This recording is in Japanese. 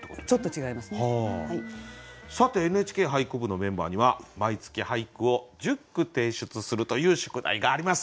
さて「ＮＨＫ俳句部」のメンバーには毎月俳句を１０句提出するという宿題があります。